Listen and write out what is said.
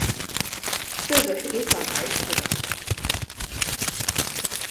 这个是给小孩吃的